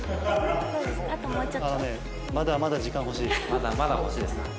まだまだ欲しいですか？